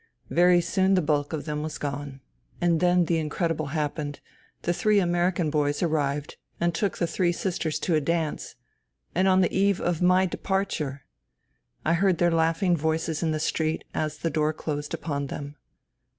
Very soon the bulk of them was gone. And then the incredible happened. The three American boys ar rived and took the three sisters to a dance. And on the eve of my departure ! I heard their laughing voices in the street, as the door closed upon them.